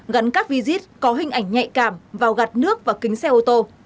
gắn các visit có hình ảnh nhạy cảm vào gạt nước và kính xe ô tô